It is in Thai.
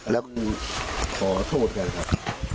แล้วมันขอโทษกันครับ